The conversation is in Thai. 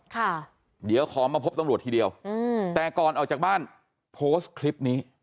ค่ะเดี๋ยวขอมาพบตำรวจทีเดียวอืมแต่ก่อนออกจากบ้านโพสต์คลิปนี้